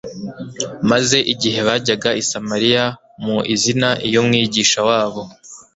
Maze igihe bajyaga i Samariya mu izina iy'Umwigisha wabo,